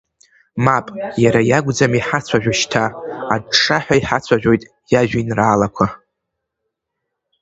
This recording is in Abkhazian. Мап, иара иакәӡам иҳацәажәо шьҭа, аҿҿаҳәа иҳацәажәоит иажәеинраалақәа!